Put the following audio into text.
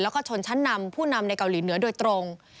แล้วก็ชนชั้นนำผู้นำในเกาหลีเหนือโดยตรง